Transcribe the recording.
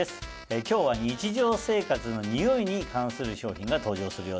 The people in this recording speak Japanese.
今日は日常生活のにおいに関する商品が登場するようですよ。